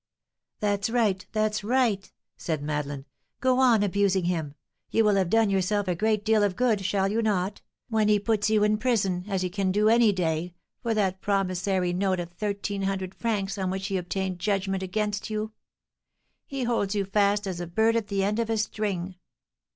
"That's right! that's right!" said Madeleine; "go on abusing him. You will have done yourself a great deal of good, shall you not, when he puts you in prison, as he can do any day, for that promissory note of 1,300 francs on which he obtained judgment against you? He holds you fast as a bird at the end of a string.